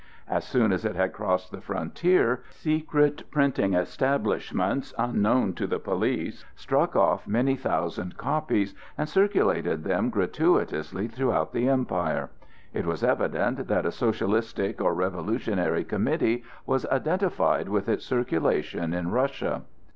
As soon as it had crossed the frontier, secret printing establishments, unknown to the police, struck off many thousand copies and circulated them gratuitously throughout the empire. It was evident that a socialistic or revolutionary committee was identified with its circulation in Russia.